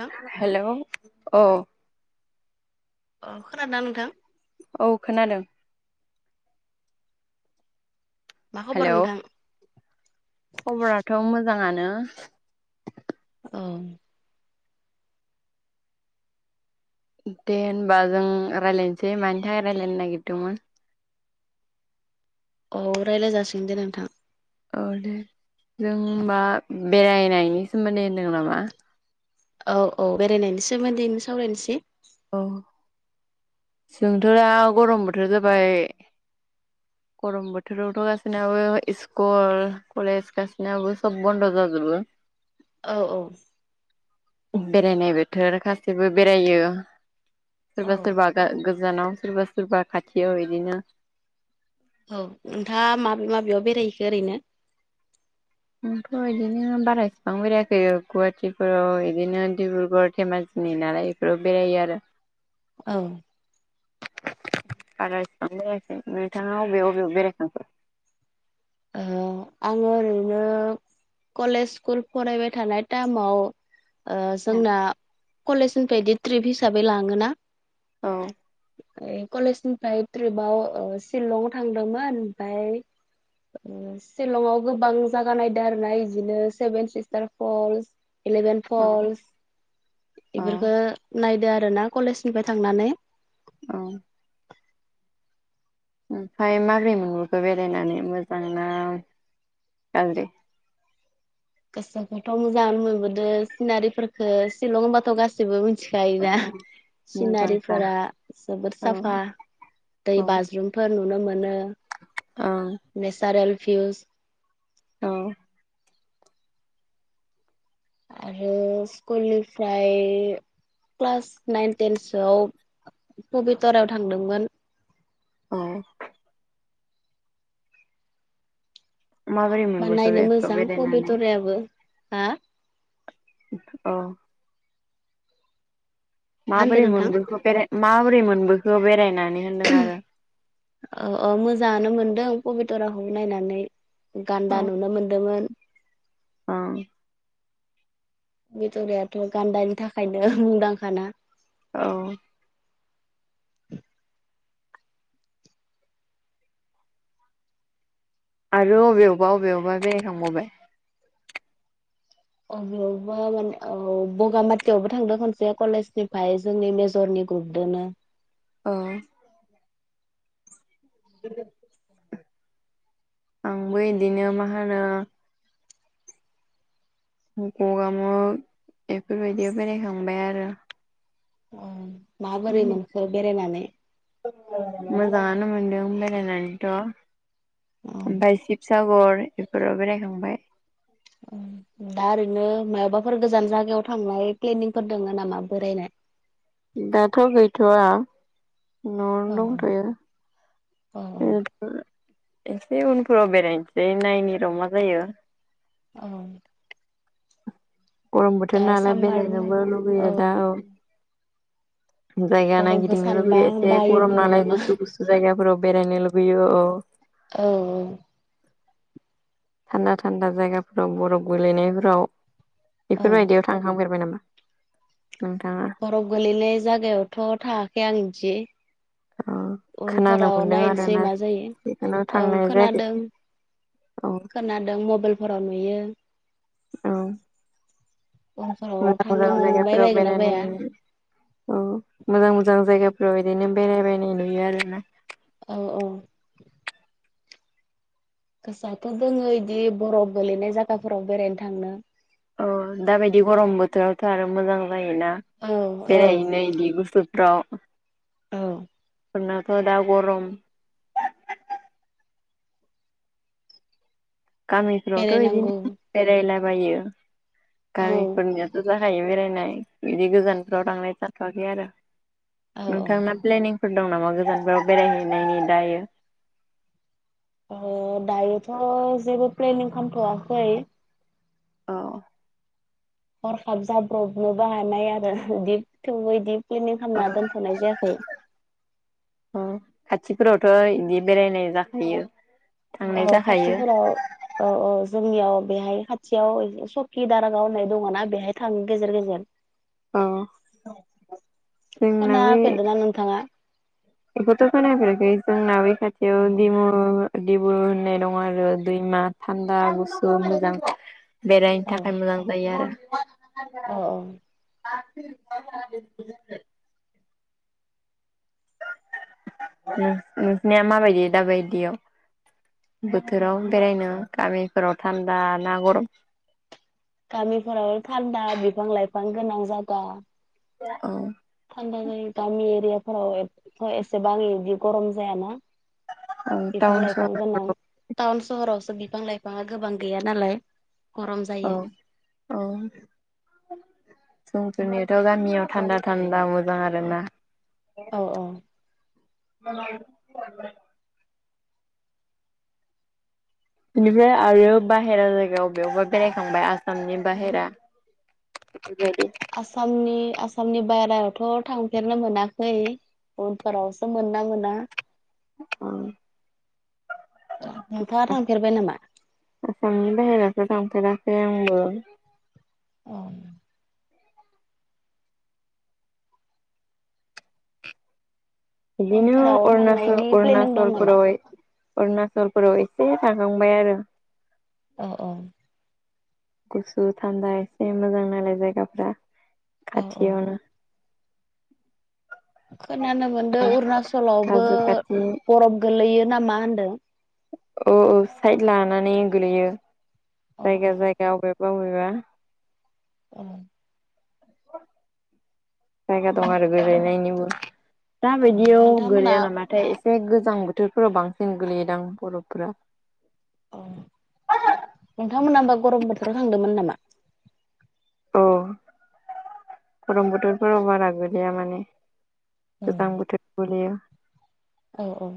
औ हेलौ अ अ खोनादो ना नोंथां औ खोनादों मा खब'र‌ हेलौ नोंथां खबराथ' मोजाङानो औ दे होनबा जों रायजलायनोसै मानि थाखाय रायजलायनो नागिरदोंमोन। औ रायलाय जासिगोन दे नोंथां। औ दे जों होनबा बेरायनायनि सोमोन्दै होनदों नामा। औ औ बेरायनायनि सोमोन्दैनो सावरायनोसै औ जोंथ' दा गरम बोथोर जाबाय [inaudible] गरम बोथोरावथ' गासिनाबो स्कुल कलेज गासैनाबो सब बन्द' जाजोबो औ औ। बेरायनाय बोथोर गासिबो बेरायो सोरबा औ सोरबा गोजानाव सोरबा सोरबा खाथियाव बिदिनो औ नोंथाङा माबे माबेयाव बेरायहैखो ओरैनो आंथ' बिदिनो बारा इसिबां बेरायाखै गुवाहाटिफोराव बिदिनो डिब्रुगड़ धेमाजि नि नालाय बेफोराव बेरायो आरो औ। बारा एसेबां बेरायाखै नोंथाङा अबेयाव अबेयाव बेरायखो ओ आङो ओरैनो कलेज स्कुल फरायबाय थानाय टाइमाव जोंना कलेजनिफ्राय बिदि ट्रिप हिसाबै लाङोना औ। कलेजनिफ्राय ट्रिपाव सिलं थांदोंमोन ओमफ्राय सिलंआव गोबां जागा नायदों आरोनाय बिदिनो सेभेन सिस्टार फल्स इलेभेन औ फलस औ बेफोरफोरखो नायदो आरो। आरोना कलेजनिफ्राय थांनानै औ। ओमफफ्राय मागै मंगुरखौ बेरायनानै मोजां ना। ओं दे। गोसोखौथ' मोजां मोनबोदों सिनारिफोरखो सिशलंबाथ' गाससिबो मिथि औ मिथिखायोना मोजांखा सिनारिफोरा जबोद औ साफा। दै औ बाज्रुमफोर नुनो मोनो ओं नेसारेल फिउस औ। आरो स्कलनिफ्राय क्लास नाइन टेनसोआव पबतराव थांदोंमोन औ। माबोरै होमा मोनबोखो नायनो बेखौ मोजां बेरायनानै पबेतराबो हा अ। मा होनदों माबोरै नोंथां मोनबोखो बे माबोरै मोनबोखो बेरायना। औ औ मोजाङानो मोनदों परबतझराखौ नायनानै। गान्दा नुनो मोनदोंमोन। अ। बेदरायाथ' गान्दानि थाखायनो मुंदांखा ना। औ। आरो अबेयावबा अबेयावबा बेेरायखांबावबाय। अबेयावबा माने औ बगामाथियावबो थांदों खनसे कलेजनिफ्राय जोंनि मेजरनि गुरदनो- औ। आंबो बिदिनो मा होनो गगा मुग बेफोरबायदियाव बेरायखांबाय आरो। माबोरै मोनखो बेरायनानै मोजाङानो मोनदों बेरायनानैथ' औ ओमफाय सागर बेफोराव बेरायखांबाय उम। दा ओरैनो माबाफोर गोजान जायगायाव थांनाय प्लेनिंफोर दङो नामा बोरायनाय? दाथ' गैथवा। औ नआवनो औ दांतो ओ। एसे उनफोराव बेरायनोसै नायनि र' मा जायो। औ। गरम दा बोथोर नालाय सामार बेरायनोबो लुुबैयो दा औ जायगा गरमखौ नायगिदिंनो सानबा लुुबैयो एसे गरम बायोबो नालाय नामा गुसु गुसु जायगाफोराव बेरायनो लुुबैयो औ औ औ। थान्दा थान्दा जायगाफोराव बरफ गोलैनायफोराव औ बेफोरबायदियाव थांखांफेरबाय नामा? नोंथाङा बरफ गोलैनाय जायगायावथ' थायाखै आं बिदि औ खोनानो उनफोराव मोनदों नायनोसै आरोना मा जायो। बेखौनो ओं थांनाय जायाखै खोनादों औ खोनादों मबाइलफोराव नुयो औ। उनफोराव मोजां थांनो मोजां मोनबाय जायगाफोराव बायगोन ना बाया बेनोनि औ मोजां मोजां जायगाफोराव बिदिनो बेरायबायनाय नुयो आरोना। औ औ। गोसोआथ' जोङो बिदि बरफ गोलैनाय जायगाफोराव बेरायनो थांनो। अ दाबायदि गरम बोथोरावथ' आरो मोजां। जायोना औ औ बेरायहैनो बिदि गुसफ्राव औ फोरनाथ' दा गरम गामिफोरावथ' बेरायनांगौ बिदिनो बेरायलाबायो औ गामिफोरनियाथा जा थायो बेरायनाय बिदि गोजानफ्राव थांनाय जाथ'वाखै आरो औ औ नोंथांना प्लेनिं फोर दं नामा गोजानफोराव बेरायहैनायनि दायो। अ दायोथ जेबो प्लेनिं खालामथवाखै औ। हरखाब जाब्रबनोबो हानाय आरो बिदि थेवबो बिदि प्लेनिं खालामना दोनथनाय जायाखै खाथिफोरावथ बिदि बेरायनाय जाखायो। थांनाय औ जाखायो। खाथिफोराव औ औ। जोंनियाव बेहाय खाथियाव सकि दारागाव होननाय दङना बेहाय थाङो गेजेर गेजेर औ जोंना खोना बै फेरदो ना नोंथाङा? बेखौथ खोनफेराखै जोंना बे खाथियाव औ दिमुर दिबुल होननाय दं आरो दैमा थान्दा गुसु मोजां बेरायनो औ थाखाय मोजां जायो औ आरो [inaudible] नोंसिनिया माबायदि दाबायदियाव? बोथोराव बेरायनो गामिफोराव थान्दा ना गरम गामिफोराव थान्दा बिफां लाइफां गोनां जागा औ। थान्दा जायो गामि एरियाफोराव एथ एसे बिदि गरम जायाना औ बिफां टाउन लाइफां सहर गोनां टाउन सहरावसो बिफां लाइफाङा गोबां गैया नालाय गरम औ जायो। समफोरनिथ गामियाव थान्दा थान्दा मोजां आरो ना औ औ। [unintelligible] बेनिफ्राय आरो बाहेरा जायगायाव बेयावबा बेरायखांबाय आसामनि बाहेरा [inaudible] बेबायदि आसामनि आसामनि बायेरायावथ थांफेरनो मोनाखै उनफोरावसो मोनोना मोना। बा औ नोंथाङा थांफेरबाय नामा आसामनि बाहेराफ्राव थांफेराखै आंबो औ बिदिनो उनफोराव अरुणाचल थांनायनि प्लेनिं दं नामा? अरुणाचलफोरावहाय अरुणाचलफोराव एसे थाखांबाय आरो अ औ गुसु थान्दा एसे मोजां नलाय जायगाफ्रा औ औ खाथियावनो खोनानो मोनदों अरुनााचलावबो हाजो खाथि बरफ गोलैयो नामा होनदों औ औ साइद लानानै गोलैयो अ अ जायगा जायगा अबे अबेबा ओं जायगा दं आरो गोलैनायनिबो अ दााबायदियाव नोंथांमोना गोलैया नामाथाय जेरै गोजां बोथोरफोराव बांसिन गोलैयोदां बरफफोरा नोंथांमोना होमबा गरम बोथोराव थांदोंमोन नामा? औ गरम बोथोरफोराव बारा गोगलैया माने गोजां बोथोराव गोलैयो औ औ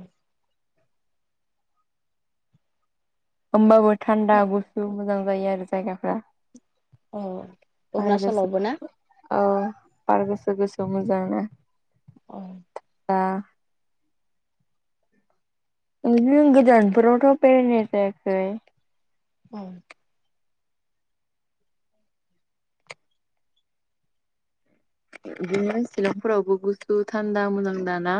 होमबाबो थान्दा गुसु मोजां जायो आरो जायगाफोरा अ अरुनाचलावबो ना औ बार गुसु गुसु मोजांना ओमह बा उहोम गोजानफोरावथ बेरायनाय जायाखै औ बिदिनो शिलंफोरावबो गुसु थान्दा मोजां दा ना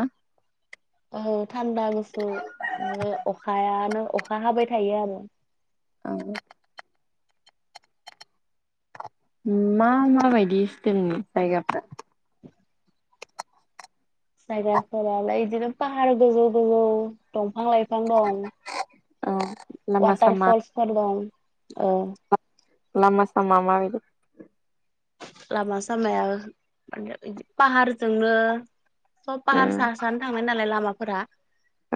औ थान्दा गुसु ओ अखायानो अखा हाबाय थायो आरो ओं मा मा बायदि स्टेइलनि जायगाफ्रा जायगाफोरालाय बिदिनो पाहार गोजौ गोजौ दं फां लाइफां दं औ लामा वाटार सामा फलसफोर दं औ लामा सामा मा बायदि लामा सामाया माने बिदि पाहारजोंनो सब पाहार उम साहा सा सा नो थांनाय नालाय लामाफोरा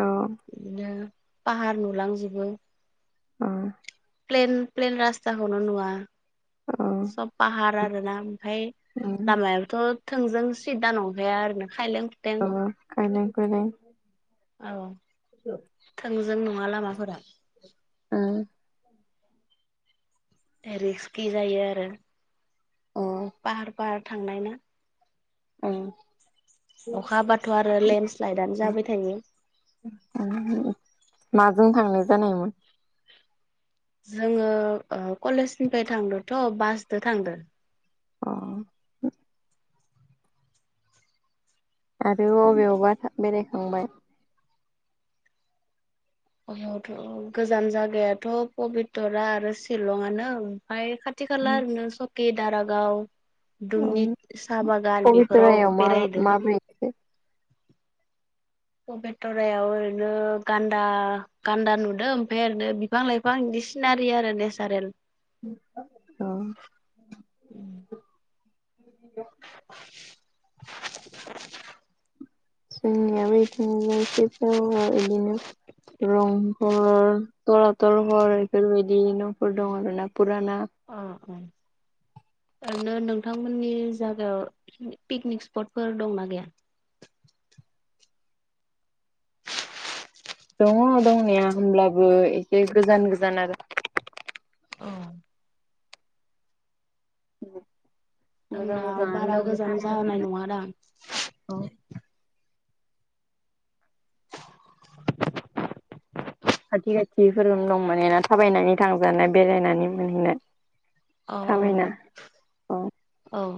औ बिदिनो पाहार नुलांजोबो ओं प्लेन प्लेन रासताखौनो नुवा औ सब पाहार आरोना ओमफाय उम लामायाबोथ थोंजों सिदा नंखया आरो ना खायलें खुथें औ औ खायलें खुइलें औ गो जों नङा लामाफोरा हो रिस्कि जायो आरो ओं थांनायनो औ अखा हाबाथ आरो लेन्ड स्लाइदानो जाबाय थायो माजों थांनाय जानायमोन जोङो ओ कलेजनिफ्राय थांदोंथ बासजों थांदो अ आरो अबेयावबा था बेरायखांबाय? [unintelligible] गोजान जगायाथ पबितरा आरो शिलंङानो ओमफाय खाथ थि खाला आरैनो सखि दारागाव दुमनिक साहा बागान बेफोराव पबितरायाव मा बेराय हैदो [inaudible] पबितरायाव ओरैनो गान्दा गान्दा नुदों ओमफाय ओरैनो बिफां लाइफां सिनारि आरो नेसारेल औ अ [inaudible] [inaudible] [inaudible] रंघर तलातलफोर बेफोरबायदिनो न'फोर दङ आरोना फुराना अ अ ओरैनो नोंथांमोननि जागायाव पिकनिक स्पटफोर दंना गैया? [inaudible] दङ दंनाया होमब्लाबो एसे गोजान गोजान आरो औ उम [inaudible] मोजां जोंनाव बारा मोजाङानो गोजान जानाय दं नङादां [unintelligible] अ खाथि खाथिफोरनो दं माने ना थाबायनानै थांजानाय बेरायनानै मोनहैनाय अ अ थाबायना औ औ औ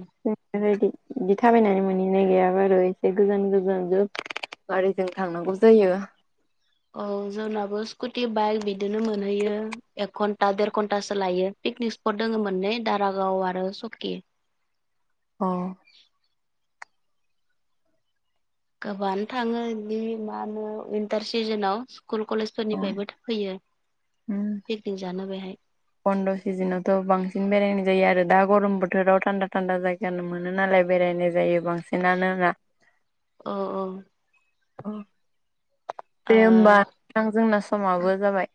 बिदि थाबायनानै मोनैनाय गैया आरो एसे गोजान गोजान जोब गारिजों थांनांगौ जायो औ जोंनाबो स्कुटि बाइक बिदिनो मोनहैयो एक घन्टा देर घन्टासो लायो। पिकनिक स्पट दङ मोननै दारागाव आरो सकि । औ गोबाङानो थाङो बिदि मा होनो उइन्टार सिजोनाव स्कुल औ कलेजफोरनिफ्रायबो फैयो पिकनिक जानो बेहाय। तान्दा सिजोनावथ' बांसिन बेरायनाय जायो आरो दा ग'रम बोथोराव थान्दा थान्दा जायगानो मोनो नालाय। बेरायनाय जायो बांसिनानो, औ [unintelligible] अ दे ओ होमबा नोंथां, जोंना समाबो जाबाय।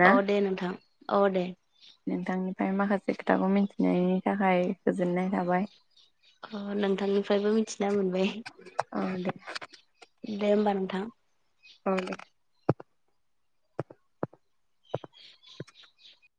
ना औ दे नोंथां औ दे। ओमफ्राय माखासे खोथाखौ मिथि होनायनि थाखाय गोजोननाय थाबाय। अ नोंथांनिफ्रायबो मिथिना मोनबाय औ दे दे होमबा नों नोंथां औ [inaudible]